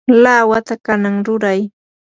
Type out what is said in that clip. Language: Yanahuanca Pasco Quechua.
lawata kanan ruray.